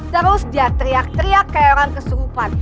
terus dia teriak teriak kayak orang kesurupan